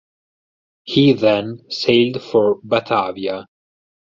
He then sailed for Batavia.